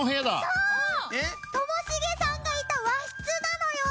そう！ともしげさんがいた和室なのよ。